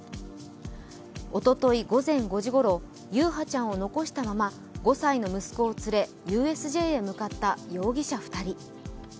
おととい午前５時ごろ、優陽ちゃんを残したまま５歳の息子を連れ、ＵＳＪに向かった容疑者２人。